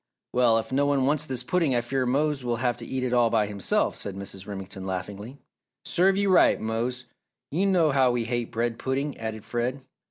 "Well, if no one wants this pudding I fear Mose will have to eat it all by himself," said Mrs. Remington, laughingly. "Serve you right, Mose, you know how we hate bread pudding," added Fred.